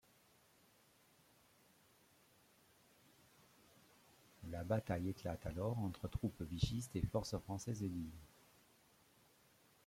La bataille éclate alors entre troupes vichystes et forces françaises libres.